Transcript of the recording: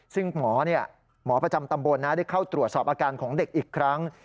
ซึ่งหมอหมอประจำตำบลได้เข้าตรวจสอบอาการของเด็กอีกครั้ง